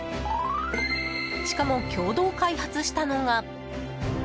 しかも、共同開発したのが。